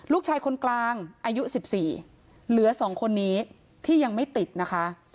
ลูกชายคนกลางอายุ๑๔เหลือ๒คนนี้ที่ยังไม่ติดนะคะ